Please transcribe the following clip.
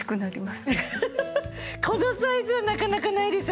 このサイズはなかなかないですよ